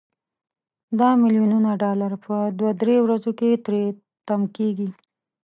دا ملیونونه ډالر په دوه درې ورځو کې تري تم کیږي.